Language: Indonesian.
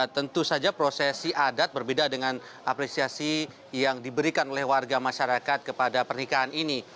tentu saja prosesi adat berbeda dengan apresiasi yang diberikan oleh warga masyarakat kepada pernikahan ini